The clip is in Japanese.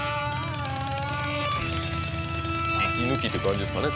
息抜きって感じですかね